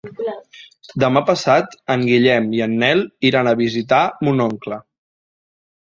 Demà passat en Guillem i en Nel iran a visitar mon oncle.